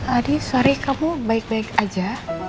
adi sorry kamu baik baik aja